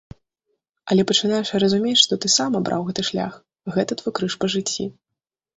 Але пачынаеш разумець, што ты сам абраў гэты шлях, гэта твой крыж па жыцці.